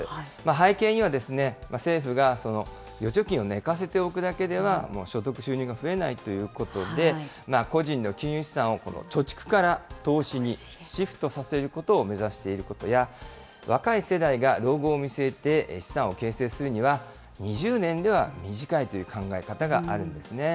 背景には、政府が預貯金を寝かせておくだけでは所得、収入が増えないということで、個人の金融資産を貯蓄から投資にシフトさせることを目指していることや、若い世代が老後を見据えて資産を形成するには、２０年では短いという考え方があるんですね。